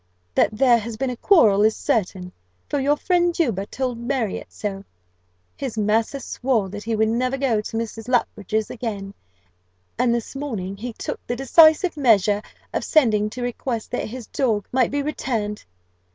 That there has been a quarrel is certain, for your friend Juba told Marriott so. His massa swore that he would never go to Mrs. Luttridge's again; and this morning he took the decisive measure of sending to request that his dog might be returned.